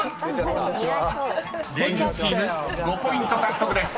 ［芸人チーム５ポイント獲得です］